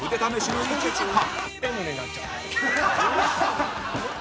Ｍになっちゃった。